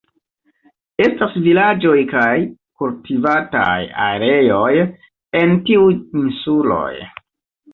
Estas vilaĝoj kaj kultivataj areoj en tiuj insuloj.